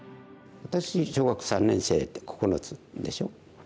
私小学３年生って９つでしょ。